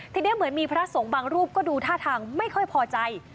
ทีนี้เหมือนมีพระสงฆ์บางรูปก็ดูท่าทางไม่ค่อยพอใจ